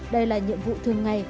đây là những đối tượng